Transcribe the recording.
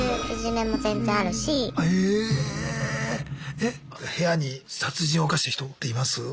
えっ部屋に殺人犯した人っています？